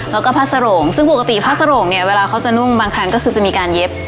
แล้วก็ผ้าสโรงซึ่งปกติผ้าสโรงเนี่ยเวลาเขาจะนุ่งบางครั้งก็คือจะมีการเย็บ